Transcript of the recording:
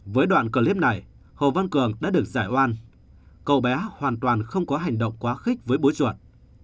với đoạn clip này hồ văn cường đã được giải oan cậu bé hoàn toàn không có hành động quá khích với bố chuột